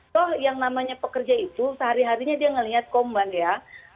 so yang namanya pekerja itu sehari harinya dia melihat komban ya